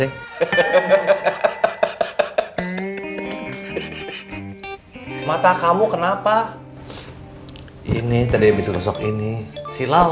ini silau soalnya kasian ya ya udah lora hombong lemes lagi silau